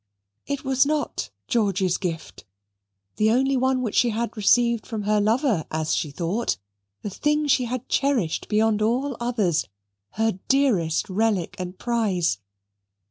It was not George's gift; the only one which she had received from her lover, as she thought the thing she had cherished beyond all others her dearest relic and prize.